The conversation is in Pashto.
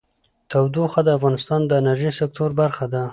تودوخه د افغانستان د انرژۍ سکتور برخه ده.